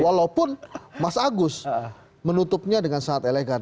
walaupun mas agus menutupnya dengan sangat elegan